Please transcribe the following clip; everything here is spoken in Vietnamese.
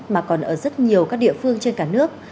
mà còn ở rất nhiều các địa phương trên cả nước